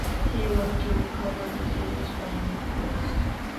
He worked to recover the city's finances.